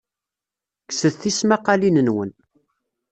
Kkset tismaqqalin-nwen.